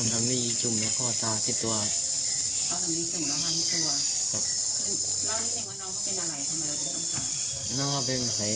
เอาน้ำดีจุ่มแล้วขอตาที่ตัว